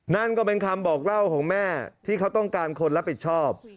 นั่นก็เป็นคำบอกเล่าของแม่ที่เขาต้องการคนรับผิดชอบ